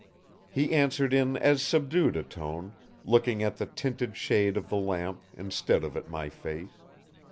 He answered in as subdued a tone, looking at the tinted shade of the lamp instead of at my face.